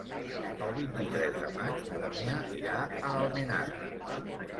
El vint-i-tres de maig na Damià irà a Almenara.